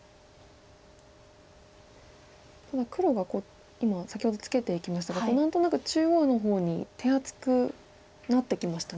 ただ黒が今先ほどツケていきましたが何となく中央の方に手厚くなってきましたね。